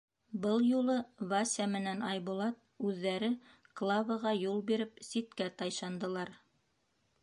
Был юлы Вася менән Айбулат үҙҙәре, Клаваға юл биреп, ситкә тайшандылар.